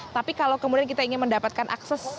tapi kalau kemudian kita ingin mendapatkan akses